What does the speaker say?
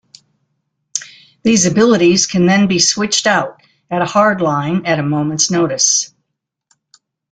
These abilities can then be switched out at a Hardline at a moment's notice.